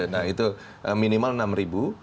nah itu minimal enam ribu